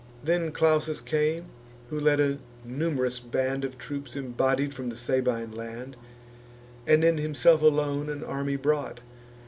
Then Clausus came, who led a num'rous band Of troops embodied from the Sabine land, And, in himself alone, an army brought.